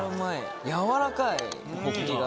やわらかいホッキが。